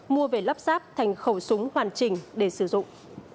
mua về lắp sáp thành khẩu súng hoàn chỉnh để sử dụng